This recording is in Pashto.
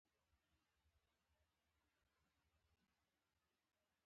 زما د عربانو "بغلاوه" خوښېږي.